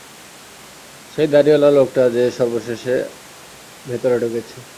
সেই দাড়িওয়ালা লোকটা যে সর্বশেষে ভেতরে ঢুকেছে।